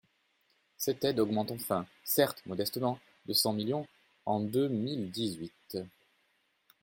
Cette aide augmente enfin, certes modestement, de cent millions, en deux mille dix-huit.